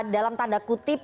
dalam tanda kutip